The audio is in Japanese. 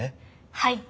はい。